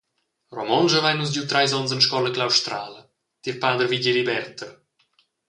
Romontsch havein nus giu treis onns en scola claustrala tier pader Vigeli Berther.